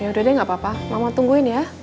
ya udah deh nggak apa apa mama tungguin ya